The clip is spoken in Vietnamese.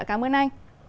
cảm ơn anh